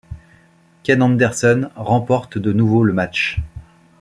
Ken Anderson remporte de nouveau le match.